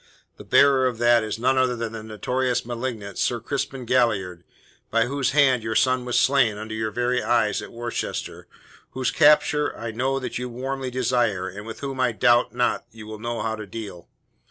The bearer of that is none other than the notorious malignant, Sir Crispin Galliard, by whose hand your son was slain under your very eyes at Worcester, whose capture I know that you warmly desire and with whom I doubt not you will know how to deal.